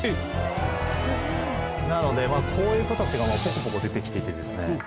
なのでこういう子たちがぽこぽこ出て来ていて。